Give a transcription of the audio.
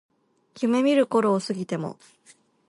夢見る頃を過ぎても